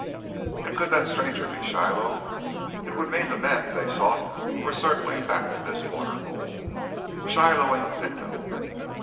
And could that stranger be Shiloh? It would mean the men they sought were circling back to this water hole. Shiloh and the Pinto!